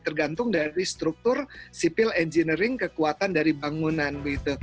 tergantung dari struktur sipil engineering kekuatan dari bangunan